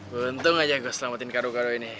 gue untung aja gue selamatin karo karo ini